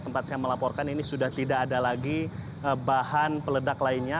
tempat saya melaporkan ini sudah tidak ada lagi bahan peledak lainnya